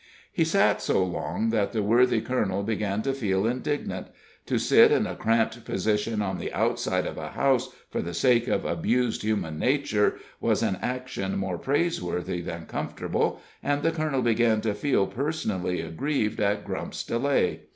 He sat so long that the worthy colonel began to feel indignant; to sit in a cramped position on the outside of a house, for the sake of abused human nature, was an action more praiseworthy than comfortable, and the colonel began to feel personally aggrieved at Grump's delay.